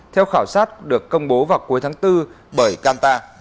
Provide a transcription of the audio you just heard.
theo khảo sát được công bố vào cuối tháng bốn bởi qnta